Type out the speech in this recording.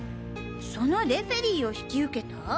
そのレフェリーを引き受けた！？